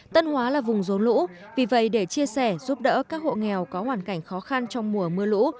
tân hóa là vùng rốn lũ vì vậy để chia sẻ giúp đỡ các hộ nghèo có hoàn cảnh khó khăn trong mùa mưa lũ